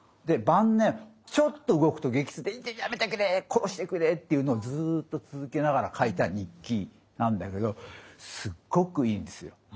晩年ちょっと動くと激痛でイテッやめてくれ殺してくれっていうのをずっと続けながら書いた日記なんだけどすっごくいいですよ。